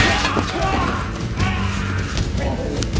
うわっ！